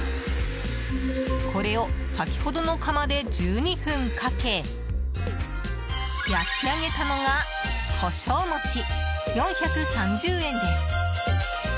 これを先ほどの釜で１２分かけ焼き上げたのが胡椒餅、４３０円です。